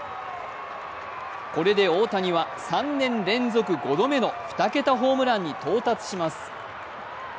これで大谷は３年連続５度目の２桁ホームランに到達します。